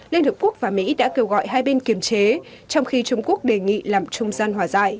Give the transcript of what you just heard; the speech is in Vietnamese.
liên hợp quốc và mỹ đã kêu gọi hai bên kiềm chế trong khi trung quốc đề nghị làm trung gian hòa giải